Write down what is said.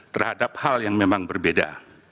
terhadap hal yang memang berbeda